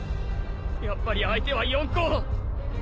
やっぱり相手は四皇！